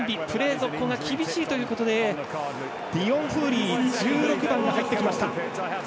続行が厳しいということでディオン・フーリー１６番が入ってきました。